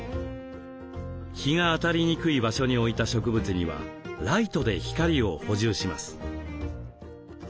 日が当たりにくい場所に置いた植物にはライトで光を補充します。